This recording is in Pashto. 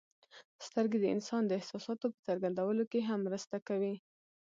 سترګې د انسان د احساساتو په څرګندولو کې هم مرسته کوي.